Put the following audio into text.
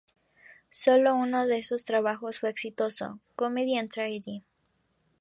Solo uno de esos trabajos fue exitoso, "Comedy and Tragedy".